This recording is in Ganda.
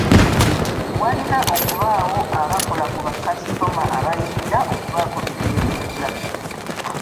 Walina okubaawo abakola ku bakasitoma abayingira okubaako bye beebuuza.